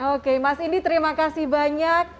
oke mas indi terima kasih banyak